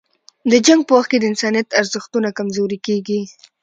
د جنګ په وخت کې د انسانیت ارزښتونه کمزوري کېږي.